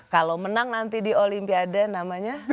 kalau menang nanti di olimpiade namanya